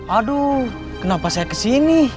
aduh kenapa saya ke sini